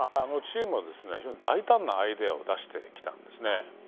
チームは非常に大胆なアイデアを出してきたんです。